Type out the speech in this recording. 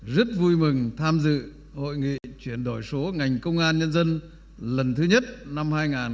rất vui mừng tham dự hội nghị chuyển đổi số ngành công an nhân dân lần thứ nhất năm hai nghìn hai mươi ba